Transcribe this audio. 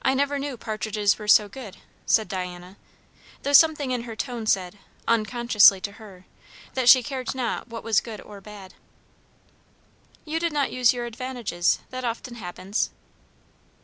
"I never knew partridges were so good," said Diana, though something in her tone said, unconsciously to her, that she cared not what was good or bad. "You did not use your advantages. That often happens."